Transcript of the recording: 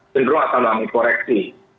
cenderung akan mengalami koreksi